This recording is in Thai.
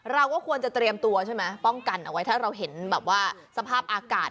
เราก็ควรจะเตรียมตัวใช่ไหมป้องกันเอาไว้ถ้าเราเห็นแบบว่าสภาพอากาศ